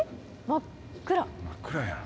真っ暗やん。